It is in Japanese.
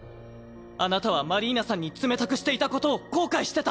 あなたはマリーナさんに冷たくしていたことを後悔してた。